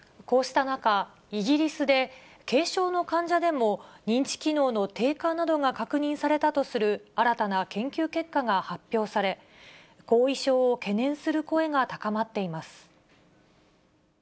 こうした中、イギリスで、軽症の患者でも認知機能の低下などが確認されたとする新たな研究結果が発表され、後遺症を懸念する声が高まっています。